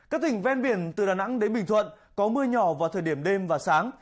các tỉnh ven biển từ đà nẵng đến bình thuận có mưa nhỏ vào thời điểm đêm và sáng